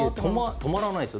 止まらないですよ。